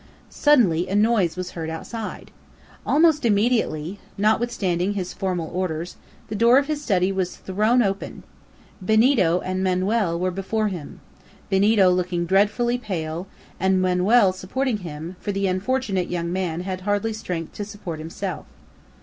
Suddenly a noise was heard outside. Almost immediately, notwithstanding his formal orders, the door of his study was thrown open. Benito and Manoel were before him, Benito looking dreadfully pale, and Manoel supporting him, for the unfortunate young man had hardly strength to support himself.